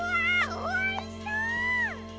おいしそう！